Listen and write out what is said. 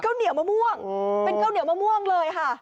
เหนียวมะม่วงเป็นข้าวเหนียวมะม่วงเลยค่ะ